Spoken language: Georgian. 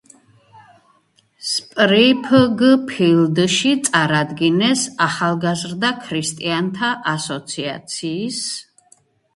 სპრიფგფილდში წარადგინეს ახალგაზრდა ქრისტიანთა ასოციაციის